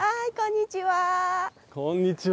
はいこんにちは。